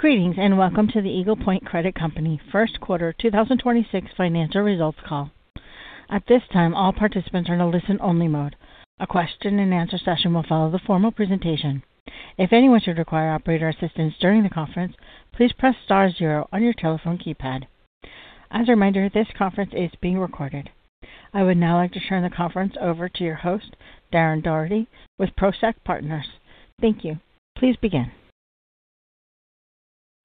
Greetings, welcome to the Eagle Point Credit Company first quarter 2026 financial results call. At this time, all participants are in a listen-only mode. A question and answer session will follow the formal presentation. If anyone should require operator assistance during the conference, please press star zero on your telephone keypad. As a reminder, this conference is being recorded. I would now like to turn the conference over to your host, Darren Daugherty with Prosek Partners. Thank you. Please begin.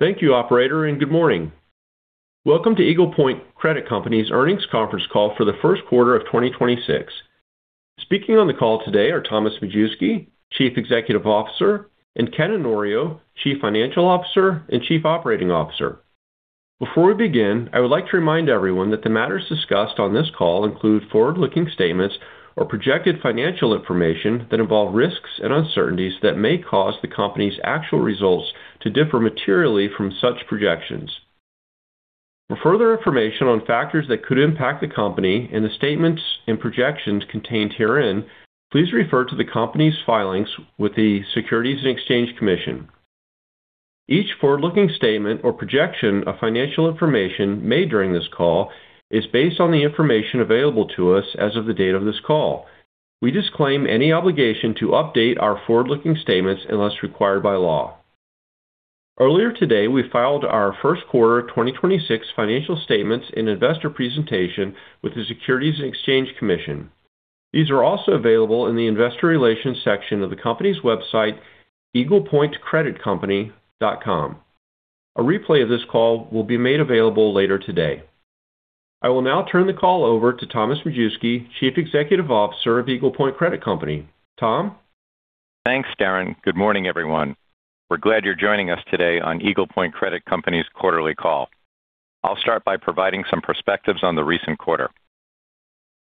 Thank you, operator, and good morning. Welcome to Eagle Point Credit Company's earnings conference call for the first quarter of 2026. Speaking on the call today are Thomas Majewski, Chief Executive Officer, and Ken Onorio, Chief Financial Officer and Chief Operating Officer. Before we begin, I would like to remind everyone that the matters discussed on this call include forward-looking statements or projected financial information that involve risks and uncertainties that may cause the company's actual results to differ materially from such projections. For further information on factors that could impact the company and the statements and projections contained herein, please refer to the company's filings with the Securities and Exchange Commission. Each forward-looking statement or projection of financial information made during this call is based on the information available to us as of the date of this call. We disclaim any obligation to update our forward-looking statements unless required by law. Earlier today, we filed our first quarter 2026 financial statements and investor presentation with the Securities and Exchange Commission. These are also available in the investor relations section of the company's website, eaglepointcreditcompany.com. A replay of this call will be made available later today. I will now turn the call over to Thomas Majewski, Chief Executive Officer of Eagle Point Credit Company. Tom? Thanks, Darren. Good morning, everyone. We're glad you're joining us today on Eagle Point Credit Company's quarterly call. I'll start by providing some perspectives on the recent quarter.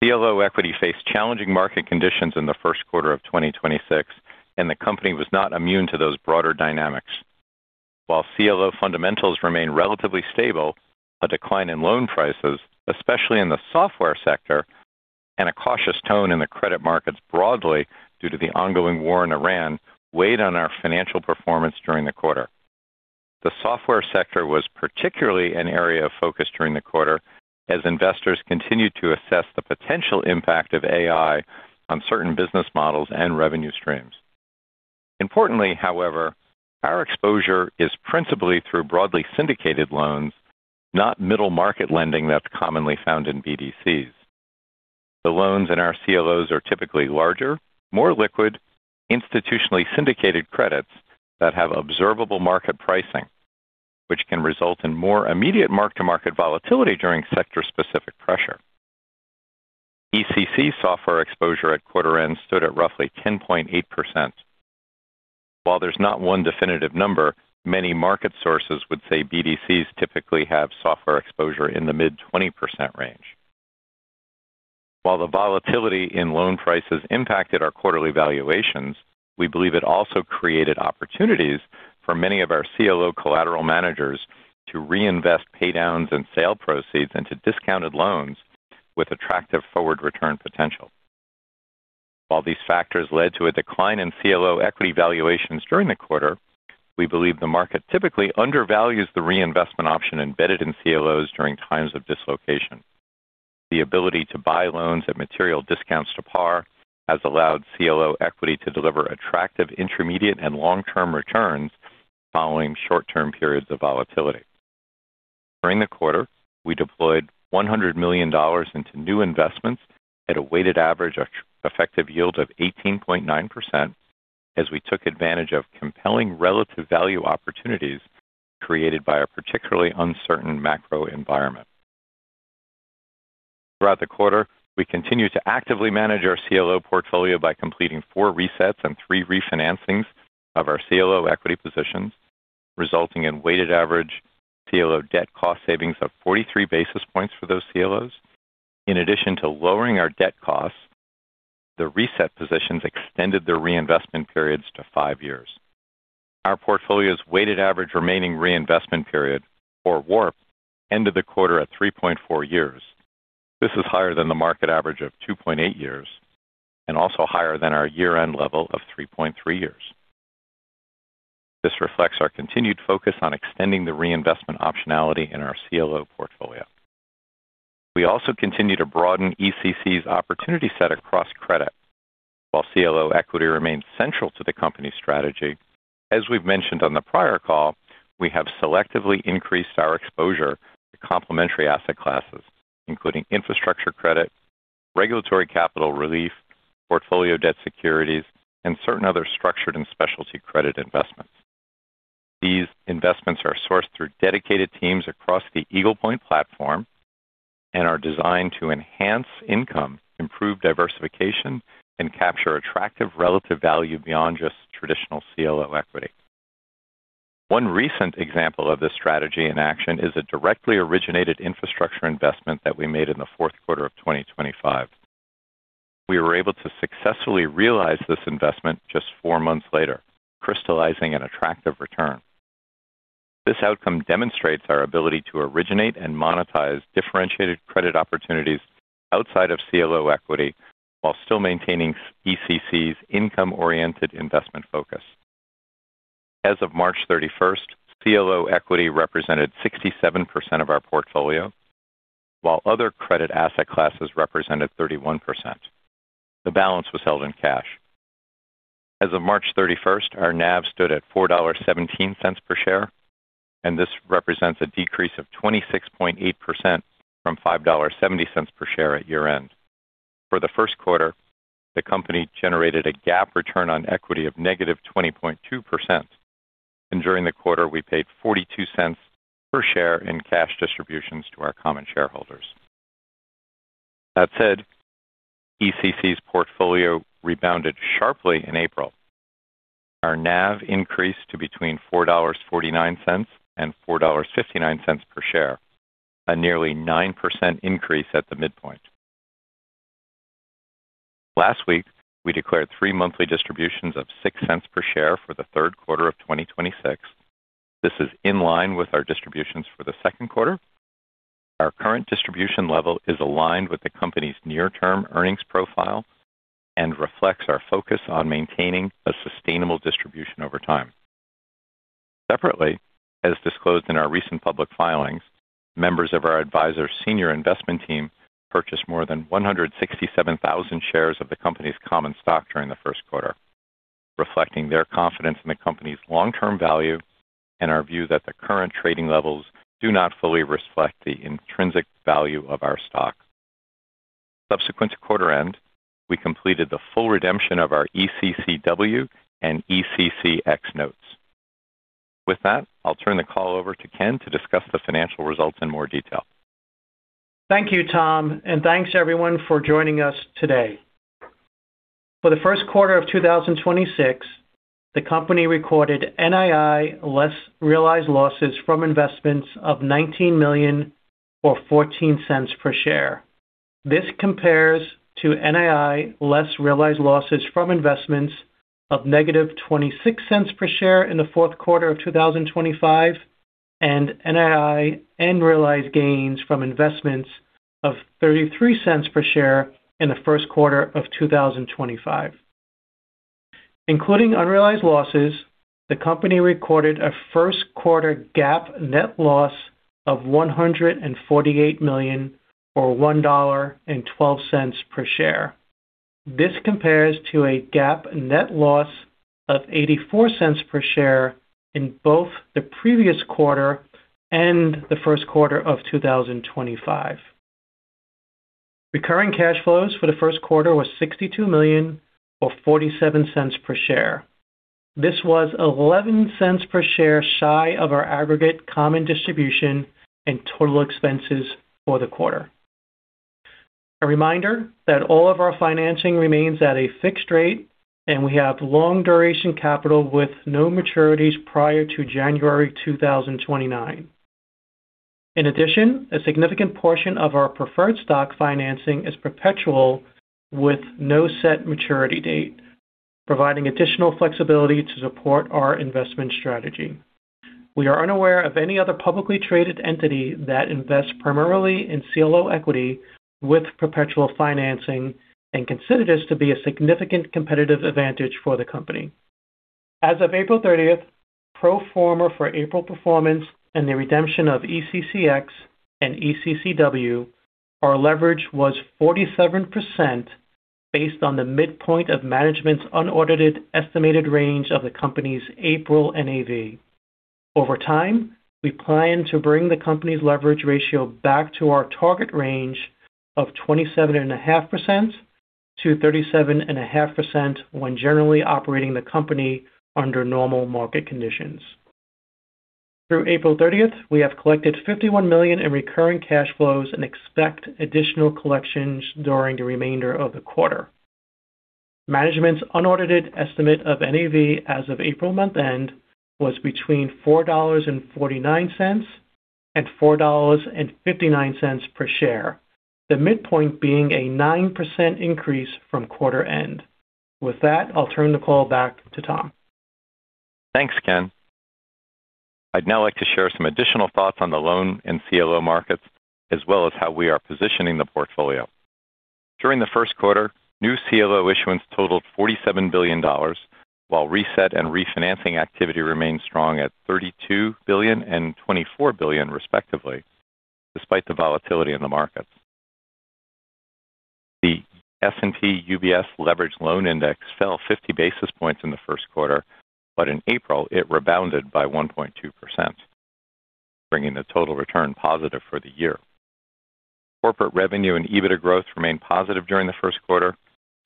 CLO equity faced challenging market conditions in the first quarter of 2026, and the company was not immune to those broader dynamics. While CLO fundamentals remain relatively stable, a decline in loan prices, especially in the software sector and a cautious tone in the credit markets broadly due to the ongoing war in Iran, weighed on our financial performance during the quarter. The software sector was particularly an area of focus during the quarter as investors continued to assess the potential impact of AI on certain business models and revenue streams. Importantly, however, our exposure is principally through broadly syndicated loans, not middle market lending that's commonly found in BDCs. The loans in our CLOs are typically larger, more liquid, institutionally syndicated credits that have observable market pricing, which can result in more immediate mark-to-market volatility during sector-specific pressure. ECC software exposure at quarter end stood at roughly 10.8%. While there's not one definitive number, many market sources would say BDCs typically have software exposure in the mid-20% range. While the volatility in loan prices impacted our quarterly valuations, we believe it also created opportunities for many of our CLO collateral managers to reinvest pay downs and sale proceeds into discounted loans with attractive forward return potential. While these factors led to a decline in CLO equity valuations during the quarter, we believe the market typically undervalues the reinvestment option embedded in CLOs during times of dislocation. The ability to buy loans at material discounts to par has allowed CLO equity to deliver attractive intermediate and long-term returns following short-term periods of volatility. During the quarter, we deployed $100 million into new investments at a weighted average effective yield of 18.9% as we took advantage of compelling relative value opportunities created by a particularly uncertain macro environment. Throughout the quarter, we continued to actively manage our CLO portfolio by completing four resets and three refinancings of our CLO equity positions, resulting in weighted average CLO debt cost savings of 43 basis points for those CLOs. In addition to lowering our debt costs, the reset positions extended their reinvestment periods to five years. Our portfolio's weighted average remaining reinvestment period or WARP ended the quarter at 3.4 years. This is higher than the market average of 2.8 years and also higher than our year-end level of 3.3 years. This reflects our continued focus on extending the reinvestment optionality in our CLO portfolio. We also continue to broaden ECC's opportunity set across credit. While CLO equity remains central to the company's strategy, as we've mentioned on the prior call, we have selectively increased our exposure to complementary asset classes, including infrastructure credit, regulatory capital relief, portfolio debt securities, and certain other structured and specialty credit investments. These investments are sourced through dedicated teams across the Eagle Point platform and are designed to enhance income, improve diversification, and capture attractive relative value beyond just traditional CLO equity. One recent example of this strategy in action is a directly originated infrastructure investment that we made in the fourth quarter of 2025. We were able to successfully realize this investment just four months later, crystallizing an attractive return. This outcome demonstrates our ability to originate and monetize differentiated credit opportunities outside of CLO equity while still maintaining ECC's income-oriented investment focus. As of March 31st, CLO equity represented 67% of our portfolio, while other credit asset classes represented 31%. The balance was held in cash. As of March 31st, our NAV stood at $4.17 per share, This represents a decrease of 26.8% from $5.70 per share at year-end. For the first quarter, the company generated a GAAP return on equity of -20.2%. During the quarter, we paid $0.42 per share in cash distributions to our common shareholders. That said, ECC's portfolio rebounded sharply in April. Our NAV increased to between $4.49 and $4.59 per share, a nearly 9% increase at the midpoint. Last week, we declared three monthly distributions of $0.06 per share for the third quarter of 2026. This is in line with our distributions for the second quarter. Our current distribution level is aligned with the company's near-term earnings profile and reflects our focus on maintaining a sustainable distribution over time. Separately, as disclosed in our recent public filings, members of our advisor senior investment team purchased more than 167,000 shares of the company's common stock during the first quarter, reflecting their confidence in the company's long-term value and our view that the current trading levels do not fully reflect the intrinsic value of our stock. Subsequent to quarter end, we completed the full redemption of our ECCW and ECCX notes. With that, I'll turn the call over to Ken to discuss the financial results in more detail. Thank you, Tom, and thanks everyone for joining us today. For the first quarter of 2026, the company recorded NII less realized losses from investments of $19 million or $0.14 per share. This compares to NII less realized losses from investments of -$0.26 per share in the fourth quarter of 2025 and NII and realized gains from investments of $0.33 per share in the first quarter of 2025. Including unrealized losses, the company recorded a first quarter GAAP net loss of $148 million or $1.12 per share. This compares to a GAAP net loss of $0.84 per share in both the previous quarter and the first quarter of 2025. Recurring cash flows for the first quarter was $62 million or $0.47 per share. This was $0.11 per share shy of our aggregate common distribution and total expenses for the quarter. A reminder that all of our financing remains at a fixed rate, and we have long duration capital with no maturities prior to January 2029. In addition, a significant portion of our preferred stock financing is perpetual with no set maturity date, providing additional flexibility to support our investment strategy. We are unaware of any other publicly traded entity that invests primarily in CLO equity with perpetual financing and consider this to be a significant competitive advantage for the company. As of April 30th, pro forma for April performance and the redemption of ECCX and ECCW, our leverage was 47% based on the midpoint of management's unaudited estimated range of the company's April NAV. Over time, we plan to bring the company's leverage ratio back to our target range of 27.5%-37.5% when generally operating the company under normal market conditions. Through April 30th, we have collected $51 million in recurring cash flows and expect additional collections during the remainder of the quarter. Management's unaudited estimate of NAV as of April month-end was between $4.49 and $4.59 per share, the midpoint being a 9% increase from quarter end. With that, I'll turn the call back to Tom. Thanks, Ken. I'd now like to share some additional thoughts on the loan and CLO markets, as well as how we are positioning the portfolio. During the first quarter, new CLO issuance totaled $47 billion, while reset and refinancing activity remained strong at $32 billion and $24 billion respectively, despite the volatility in the markets. The S&P UBS Leveraged Loan Index fell 50 basis points in the first quarter. In April, it rebounded by 1.2%, bringing the total return positive for the year. Corporate revenue and EBITDA growth remained positive during the first quarter,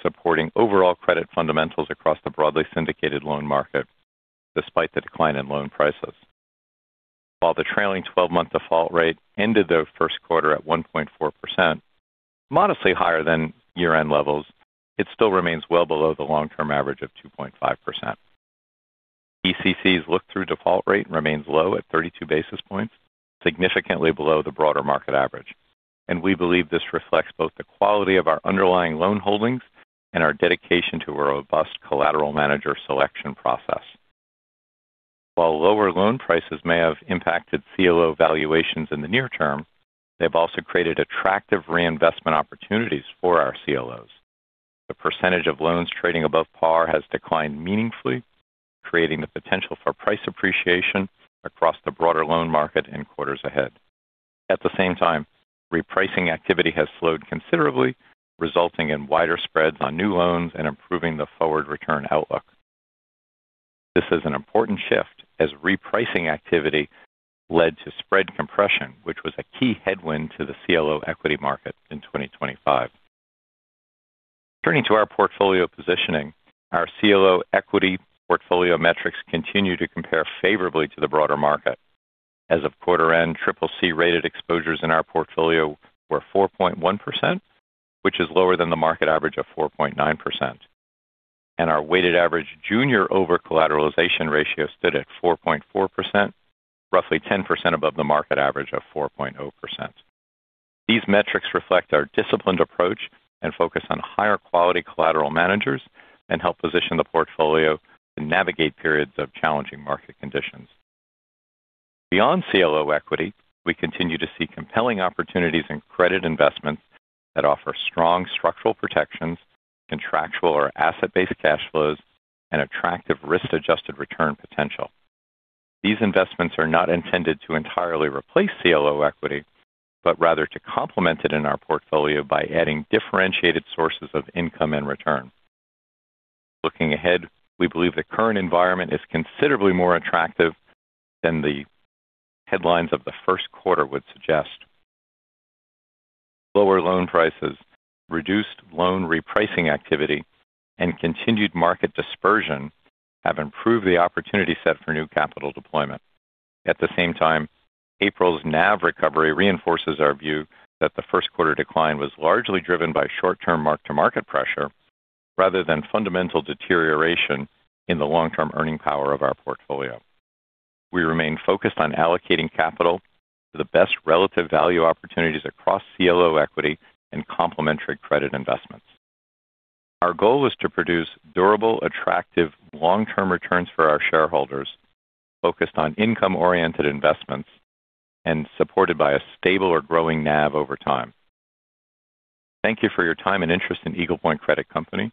supporting overall credit fundamentals across the broadly syndicated loan market despite the decline in loan prices. While the trailing twelve-month default rate ended the first quarter at 1.4%, modestly higher than year-end levels, it still remains well below the long-term average of 2.5%. ECC's look-through default rate remains low at 32 basis points, significantly below the broader market average. We believe this reflects both the quality of our underlying loan holdings and our dedication to a robust collateral manager selection process. While lower loan prices may have impacted CLO valuations in the near term, they've also created attractive reinvestment opportunities for our CLOs. The percentage of loans trading above par has declined meaningfully, creating the potential for price appreciation across the broader loan market in quarters ahead. At the same time, repricing activity has slowed considerably, resulting in wider spreads on new loans and improving the forward return outlook. This is an important shift, as repricing activity led to spread compression, which was a key headwind to the CLO equity market in 2025. Turning to our portfolio positioning, our CLO equity portfolio metrics continue to compare favorably to the broader market. As of quarter end, triple C-rated exposures in our portfolio were 4.1%, which is lower than the market average of 4.9%. Our weighted average junior over-collateralization ratio stood at 4.4%, roughly 10% above the market average of 4.0%. These metrics reflect our disciplined approach and focus on higher quality collateral managers and help position the portfolio to navigate periods of challenging market conditions. Beyond CLO equity, we continue to see compelling opportunities in credit investments that offer strong structural protections, contractual or asset-based cash flows, and attractive risk-adjusted return potential. These investments are not intended to entirely replace CLO equity, but rather to complement it in our portfolio by adding differentiated sources of income and return. Looking ahead, we believe the current environment is considerably more attractive than the headlines of the first quarter would suggest. Lower loan prices, reduced loan repricing activity, and continued market dispersion have improved the opportunity set for new capital deployment. At the same time, April's NAV recovery reinforces our view that the first quarter decline was largely driven by short-term mark-to-market pressure rather than fundamental deterioration in the long-term earning power of our portfolio. We remain focused on allocating capital to the best relative value opportunities across CLO equity and complementary credit investments. Our goal is to produce durable, attractive, long-term returns for our shareholders, focused on income-oriented investments and supported by a stable or growing NAV over time. Thank you for your time and interest in Eagle Point Credit Company.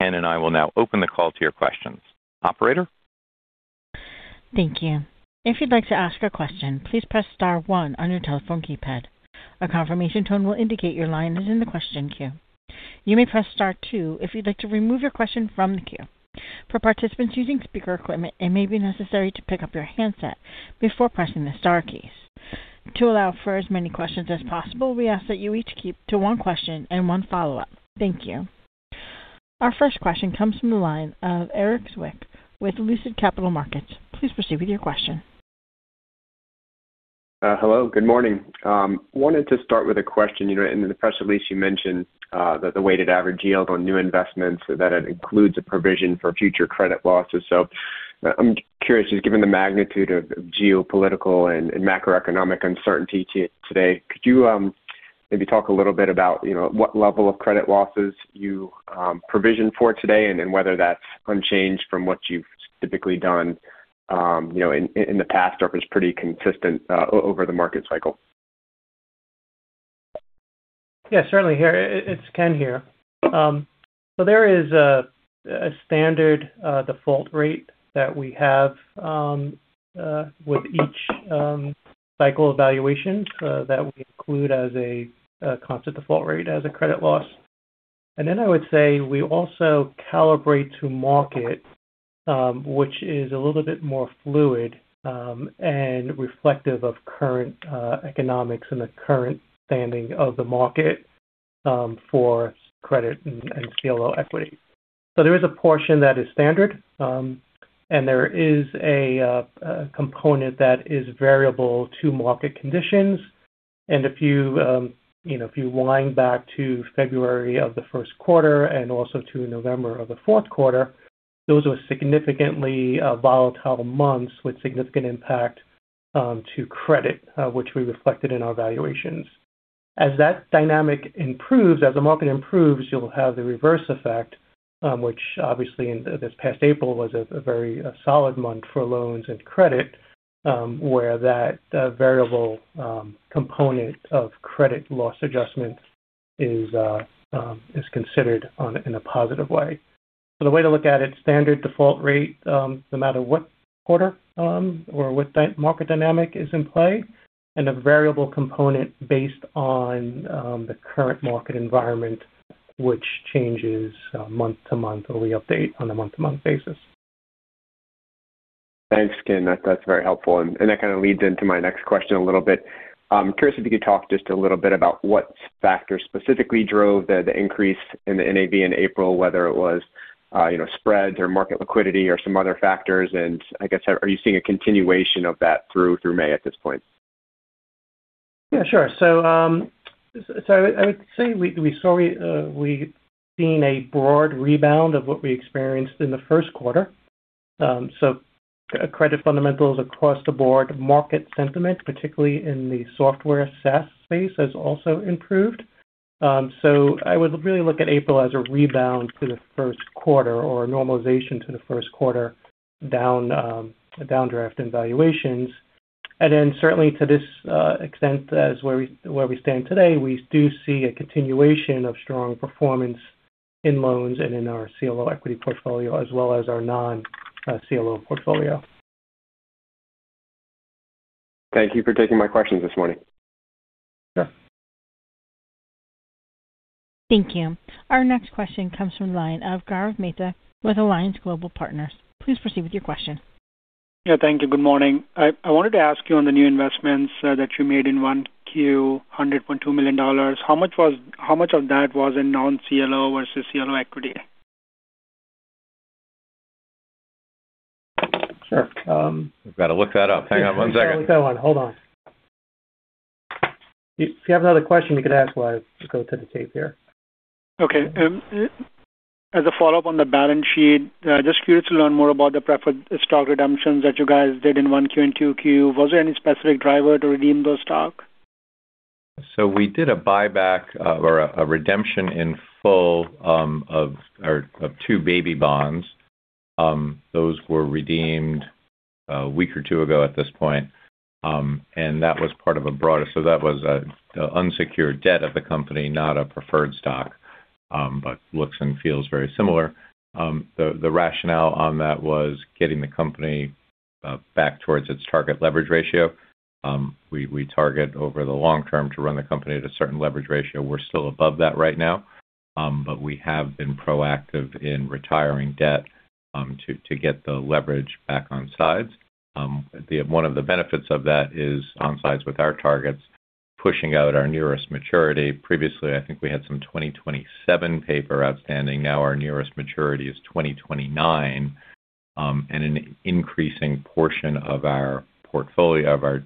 Ken and I will now open the call to your questions. Operator? Thank you. If you'd like to ask your question please press star one on your telephone keypad, a confirmation tone will indicate that your line is in the question queue. You may press star two if youd like to remove your question from the queue. For participants using speaker equipment and may be necessary to pick up your handset, before pressing the star keys. To allow first many questions as possible we ask that you need to keep to one question and one follow-up. Thank you. Our first question comes from the line of Erik Zwick with Lucid Capital Markets. Please proceed with your question. Hello. Good morning. Wanted to start with a question. You know, in the press release, you mentioned that the weighted average yield on new investments, that it includes a provision for future credit losses. I'm curious, just given the magnitude of geopolitical and macroeconomic uncertainty to-today, could you maybe talk a little bit about, you know, what level of credit losses you provisioned for today, and then whether that's unchanged from what you've typically done, you know, in the past or if it's pretty consistent o-over the market cycle? Yeah, certainly. Here, it's Ken here. So there is a standard default rate that we have with each cycle evaluation that we include as a constant default rate as a credit loss. I would say we also calibrate to market, which is a little bit more fluid and reflective of current economics and the current standing of the market for credit and CLO equity. So there is a portion that is standard, and there is a component that is variable to market conditions. If you know, if you wind back to February of the first quarter and also to November of the fourth quarter, those were significantly volatile months with significant impact to credit, which we reflected in our valuations. As that dynamic improves, as the market improves, you'll have the reverse effect, which obviously in this past April was a very solid month for loans and credit, where that variable component of credit loss adjustment is considered on, in a positive way. The way to look at it, standard default rate, no matter what quarter, or what market dynamic is in play, and a variable component based on the current market environment, which changes month to month, or we update on a month-to-month basis. Thanks, Ken. That's very helpful, and that kind of leads into my next question a little bit. Curious if you could talk just a little bit about what factors specifically drove the increase in the NAV in April, whether it was, you know, spreads or market liquidity or some other factors. I guess, are you seeing a continuation of that through May at this point? Yeah, sure. I would say we've seen a broad rebound of what we experienced in the first quarter. Credit fundamentals across the board market sentiment, particularly in the software SaaS space, has also improved. I would really look at April as a rebound for the first quarter or a normalization to the first quarter down, a downdraft in valuations. Certainly to this extent as where we stand today, we do see a continuation of strong performance in loans and in our CLO equity portfolio as well as our non-CLO portfolio. Thank you for taking my questions this morning. Sure. Thank you. Our next question comes from the line of Gaurav Mehta with Alliance Global Partners. Please proceed with your question. Yeah, thank you. Good morning. I wanted to ask you on the new investments that you made in 1Q, $100.2 million. How much of that was in non-CLO versus CLO equity? Sure. We've got to look that up. Hang on one second. Let me get that one. Hold on. If you have another question, you could ask while I go to the tape here. Okay. As a follow-up on the balance sheet, just for you to learn more about the preferred stock redemptions that you guys did in 1Q and Q2. Was there any specific driver to redeem those stock? We did a buyback or a redemption in full of two baby bonds. Those were redeemed a week or two ago at this point, and that was part of a broader. That was unsecured debt of the company, not a preferred stock, but looks and feels very similar. The rationale on that was getting the company back towards its target leverage ratio. We target over the long term to run the company at a certain leverage ratio. We're still above that right now. But we have been proactive in retiring debt to get the leverage back on sides. One of the benefits of that is on sides with our targets, pushing out our nearest maturity. Previously, I think we had some 2027 paper outstanding. Our nearest maturity is 2029, and an increasing portion of our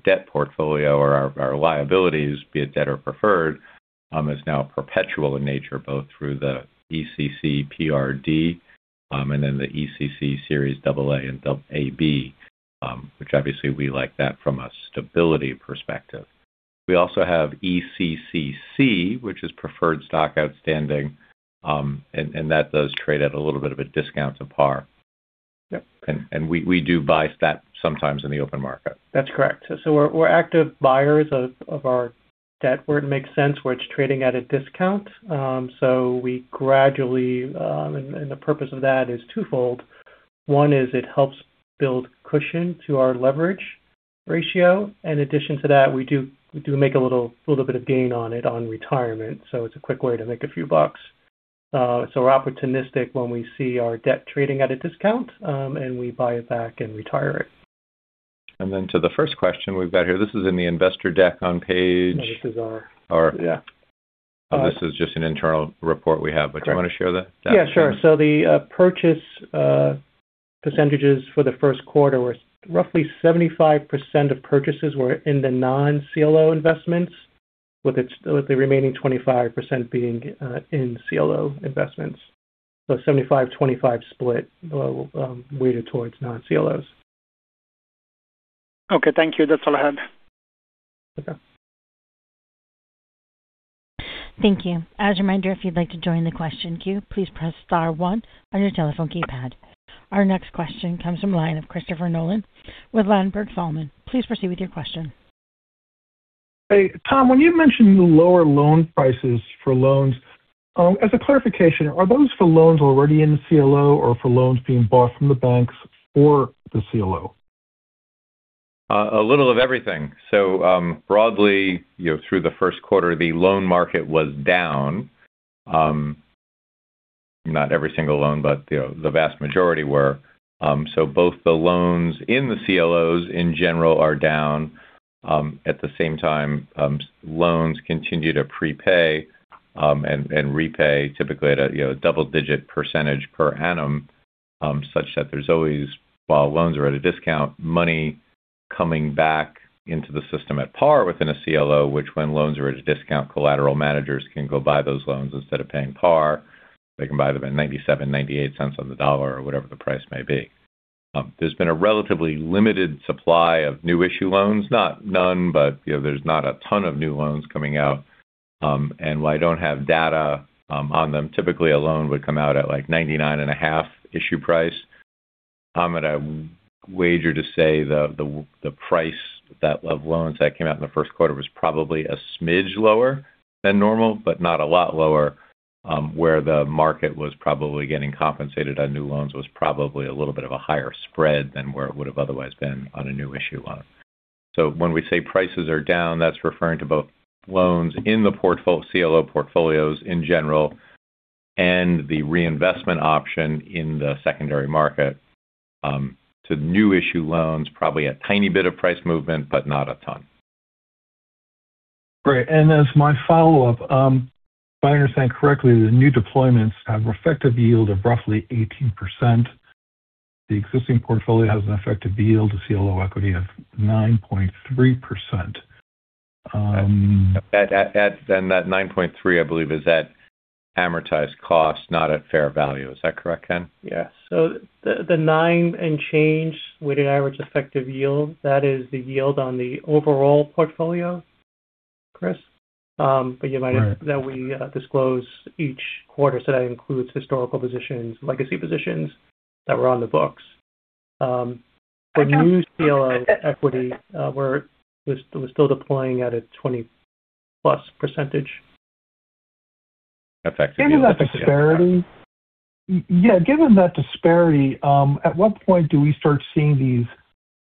debt portfolio or our liabilities, be it debt or preferred, is now perpetual in nature, both through the ECC.PRD, and then the ECC Series AA and AB, which obviously we like that from a stability perspective. We also have ECCC, which is preferred stock outstanding, and that does trade at a little bit of a discount to par. Yep. And we do buy that sometimes in the open market. That's correct. We're active buyers of our debt where it makes sense, where it's trading at a discount. We gradually, and the purpose of that is twofold. One is it helps build cushion to our leverage ratio. In addition to that, we do make a little bit of gain on it on retirement. It's a quick way to make a few bucks. We're opportunistic when we see our debt trading at a discount, and we buy it back and retire it. To the first question we've got here, this is in the investor deck on page- No, this is our, Our- Yeah. This is just an internal report we have. Correct. Do you want to share that? Yeah, sure. The purchase percentages for the first quarter was roughly 75% of purchases were in the non-CLO investments, with the remaining 25% being in CLO investments. 75%, 25% split weighted towards non-CLOs. Okay, thank you. That's all I have. Okay. Thank you. As a reminder, if you'd like to join the question queue, please press star one on your telephone keypad. Our next question comes from line of Christopher Nolan with Ladenburg Thalmann. Please proceed with your question. Hey, Tom, when you mentioned the lower loan prices for loans, as a clarification, are those for loans already in CLO or for loans being bought from the banks or the CLO? A little of everything. Broadly, you know, through the first quarter, the loan market was down. Not every single loan, but, you know, the vast majority were. Both the loans in the CLOs in general are down. At the same time, loans continue to prepay, and repay typically at a, you know, double-digit percentage per annum, such that there's always, while loans are at a discount, money coming back into the system at par within a CLO, which when loans are at a discount, collateral managers can go buy those loans instead of paying par. They can buy them at $0.97, $0.98 on the dollar or whatever the price may be. There's been a relatively limited supply of new issue loans. Not none, but you know, there's not a ton of new loans coming out. While I don't have data on them, typically a loan would come out at $99.5 issue price. I wager to say the price of loans that came out in the first quarter was probably a smidge lower than normal, but not a lot lower. Where the market was probably getting compensated on new loans was probably a little bit of a higher spread than where it would have otherwise been on a new issue loan. When we say prices are down, that's referring to both loans in the CLO portfolios in general and the reinvestment option in the secondary market. To new issue loans, probably a tiny bit of price movement, but not a ton. Great. As my follow-up, if I understand correctly, the new deployments have effective yield of roughly 18%. The existing portfolio has an effective yield to CLO equity of 9.3%. That 9.3%, I believe, is at amortized cost, not at fair value. Is that correct, Ken? Yeah. The nine and change weighted average effective yield, that is the yield on the overall portfolio, Chris. Right. know that we disclose each quarter. That includes historical positions, legacy positions that were on the books. The new CLO equity was still deploying at a 20+ percentage. Effective yield. Given that disparity, at what point do we start seeing these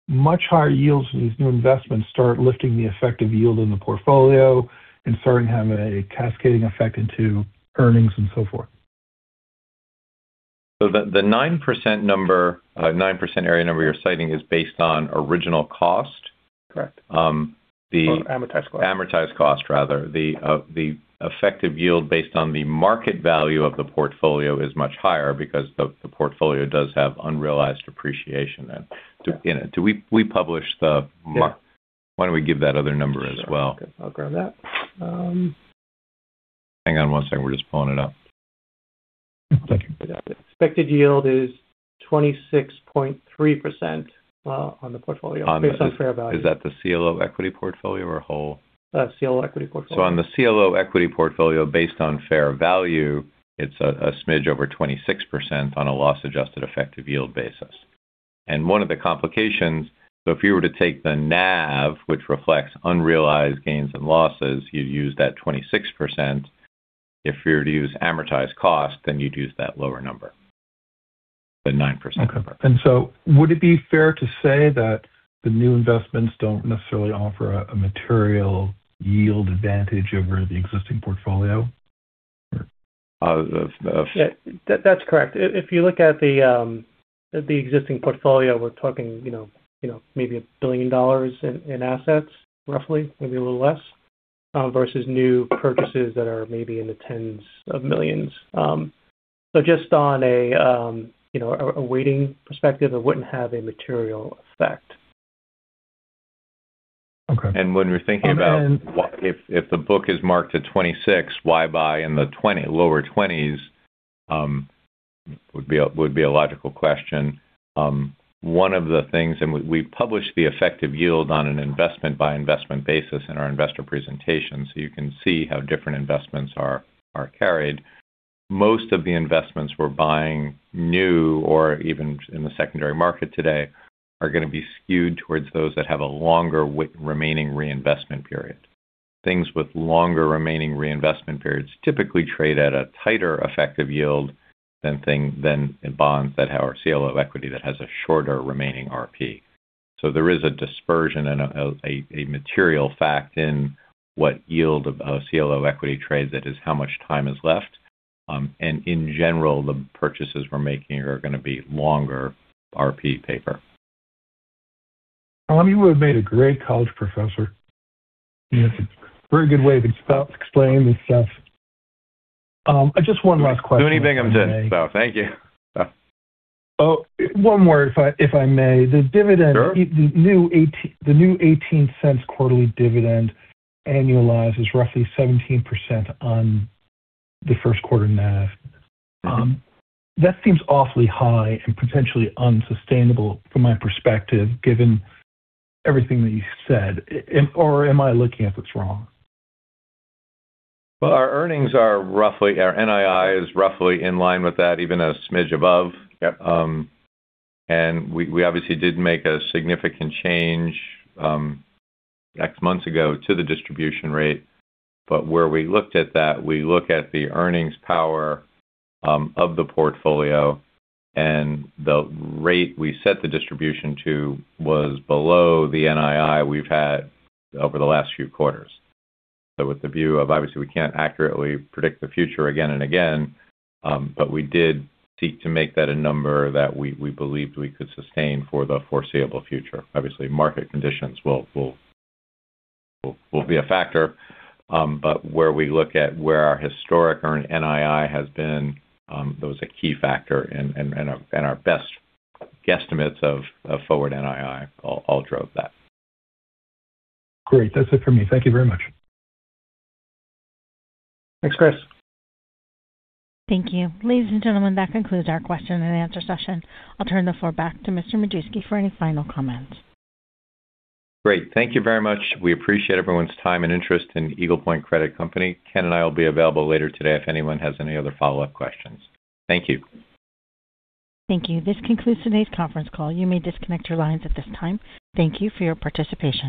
much higher yields from these new investments start lifting the effective yield in the portfolio and starting having a cascading effect into earnings and so forth? The 9% number, 9% area number you're citing is based on original cost. Correct. Um, the- Amortized cost. Amortized cost, rather. The, the effective yield based on the market value of the portfolio is much higher because the portfolio does have unrealized appreciation in it. We publish the Yeah. Why don't we give that other number as well? Sure. I'll grab that. Hang on one second. We're just pulling it up. Expected yield is 26.3% on the portfolio based on fair value. Is that the CLO equity portfolio or whole? CLO equity portfolio. On the CLO equity portfolio, based on fair value, it's a smidge over 26% on a loss-adjusted effective yield basis. One of the complications, if you were to take the NAV, which reflects unrealized gains and losses, you'd use that 26%. If you were to use amortized cost, then you'd use that lower number, the 9%. Okay. Would it be fair to say that the new investments don't necessarily offer a material yield advantage over the existing portfolio? The Yeah. That's correct. If you look at the existing portfolio, we're talking, you know, maybe a billion in assets, roughly, maybe a little less, versus new purchases that are maybe in the tens of millions. Just on a, you know, a weighting perspective, it wouldn't have a material effect. Okay. And when we're thinking about- And- If the book is marked at 26%, why buy in the 20%, lower 20s, would be a logical question. One of the things we publish the effective yield on an investment-by-investment basis in our investor presentation, so you can see how different investments are carried. Most of the investments we're buying new or even in the secondary market today are gonna be skewed towards those that have a longer remaining reinvestment period. Things with longer remaining reinvestment periods typically trade at a tighter effective yield than bonds that have our CLO equity that has a shorter remaining RP. There is a dispersion and a material fact in what yield of a CLO equity trades. That is how much time is left. In general, the purchases we're making are gonna be longer RP paper. You would've made a great college professor. You have a very good way of explaining this stuff. Just one last question. Binghamton University, so thank you. Oh, one more if I may. Sure. The dividend, the new $0.18 quarterly dividend annualize is roughly 17% on the first quarter NAV. That seems awfully high and potentially unsustainable from my perspective, given everything that you've said. Am I looking at this wrong? Well, our NII is roughly in line with that, even a smidge above. Yep. We, we obviously did make a significant change, X months ago to the distribution rate. Where we looked at that, we look at the earnings power of the portfolio, and the rate we set the distribution to was below the NII we've had over the last few quarters. With the view of obviously we can't accurately predict the future again and again, but we did seek to make that a number that we believed we could sustain for the foreseeable future. Obviously, market conditions will be a factor. Where we look at where our historic earn NII has been, that was a key factor. Our best guesstimates of forward NII all drove that. Great. That's it for me. Thank you very much. Thanks, Chris. Thank you. Ladies and gentlemen, that concludes our question and answer session. I'll turn the floor back to Mr. Majewski for any final comments. Great. Thank you very much. We appreciate everyone's time and interest in Eagle Point Credit Company. Ken and I will be available later today if anyone has any other follow-up questions. Thank you. Thank you. This concludes today's conference call. You may disconnect your lines at this time. Thank you for your participation.